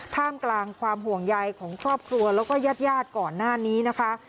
ท่ามกลางความห่วงใยของครอบครัวแล้วก็ญาติญาติก่อนหน้านี้นะคะ